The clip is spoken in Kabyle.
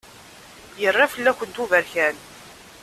Yerra fell-kent uberkan.